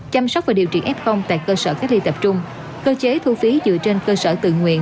chăm sóc và điều trị f tại cơ sở cách ly tập trung cơ chế thu phí dựa trên cơ sở tự nguyện